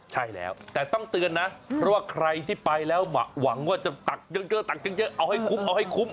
ใช่แล้วแต่ต้องเตือนนะเพราะว่าใครที่ไปแล้วหวังว่าจะตักเยอะเอาให้คุ้ม